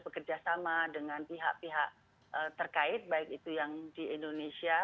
bekerjasama dengan pihak pihak terkait baik itu yang di indonesia